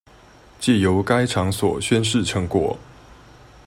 藉由該場所宣示成果